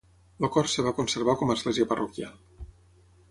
El cor es va conservar com a església parroquial.